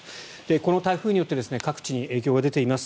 この台風によって各地に影響が出ています。